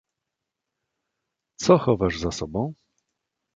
"co chowasz za sobą?"